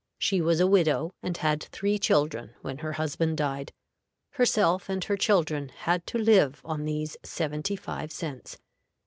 She was a widow, and had three children when her husband died. Herself and her children had to live on these seventy five cents.